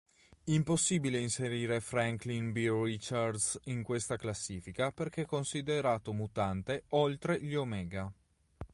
Impossibile inserire Franklin B. Richards in questa classifica perché considerato mutante "oltre" gli Omega.